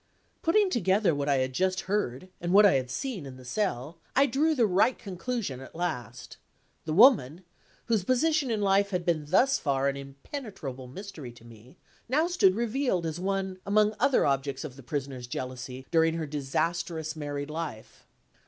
Putting together what I had just heard, and what I had seen in the cell, I drew the right conclusion at last. The woman, whose position in life had been thus far an impenetrable mystery to me, now stood revealed as one, among other objects of the Prisoner's jealousy, during her disastrous married life.